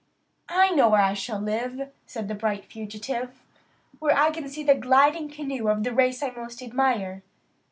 "I know where I shall live," said the bright fugitive "where I can see the gliding canoe of the race I most admire.